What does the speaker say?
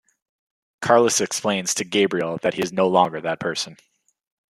Carlos explains to Gabrielle that he is no longer that person.